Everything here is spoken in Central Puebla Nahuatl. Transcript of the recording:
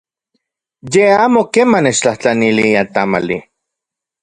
Ye amo keman nechtlajtlanilia tamali.